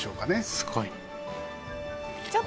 すごいな。